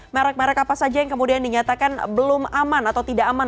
merek merek apa saja yang kemudian dinyatakan belum aman atau tidak aman